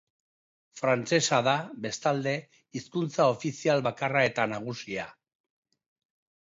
Frantsesa da, bestalde, hizkuntza ofizial bakarra eta nagusia.